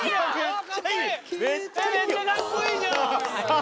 めちゃめちゃかっこいいじゃん！